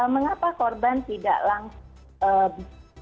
mengapa korban tidak langsung